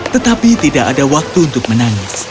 tetapi tidak ada waktu untuk menangis